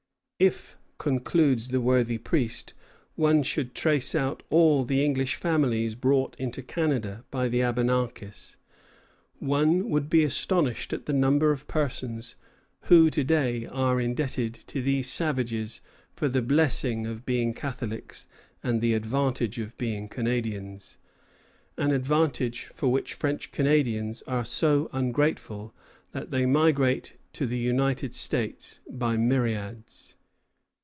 "If," concludes the worthy priest, "one should trace out all the English families brought into Canada by the Abenakis, one would be astonished at the number of persons who to day are indebted to these savages for the blessing of being Catholics and the advantage of being Canadians," an advantage for which French Canadians are so ungrateful that they migrate to the United States by myriads.